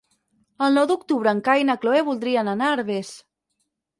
El nou d'octubre en Cai i na Cloè voldrien anar a Herbers.